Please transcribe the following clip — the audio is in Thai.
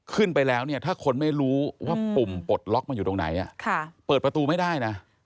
ขึ้นไปแล้วเนี่ยถ้าคนไม่รู้ว่าปุ่มปลดล็อกมันอยู่ตรงไหนเปิดประตูไม่ได้นะ